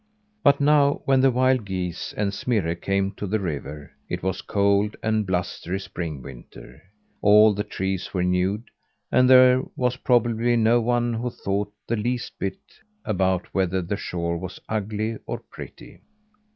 But now, when the wild geese and Smirre came to the river, it was cold and blustery spring winter; all the trees were nude, and there was probably no one who thought the least little bit about whether the shore was ugly or pretty.